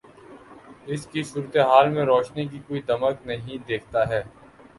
اس کی صورت حال میں روشنی کی کوئی رمق نہیں دیکھتا ہے۔